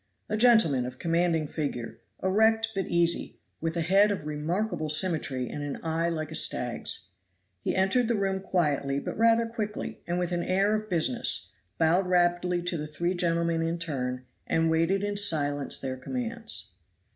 A gentleman of commanding figure, erect but easy, with a head of remarkable symmetry and an eye like a stag's. He entered the room quietly but rather quickly, and with an air of business; bowed rapidly to the three gentlemen in turn, and waited in silence their commands.